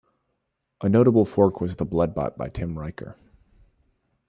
A notable fork was blootbot by Tim Riker.